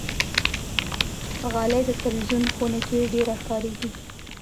غالۍ د تلویزون خونه کې ډېره کاریږي.